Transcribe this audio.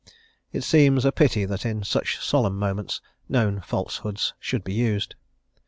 It seems a pity that in such solemn moments known falsehoods should be used.